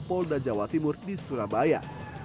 polda jawa timur di surabaya